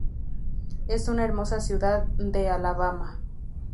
Es un hermosa ciudad de Alabama.